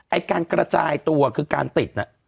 การกระจายตัวคือการติดน่ะ